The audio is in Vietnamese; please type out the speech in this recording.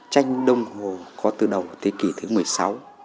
tranh đông hồ có từ đầu thế kỷ thứ một mươi sáu